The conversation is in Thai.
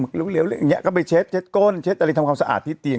เร็วเร็วเร็วอย่างเงี้ยก็ไปเช็ดเช็ดโก้นเช็ดอะไรทำความสะอาดที่เตียง